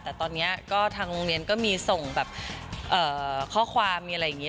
แต่ตอนนี้ก็ทางโรงเรียนก็มีส่งแบบข้อความมีอะไรอย่างนี้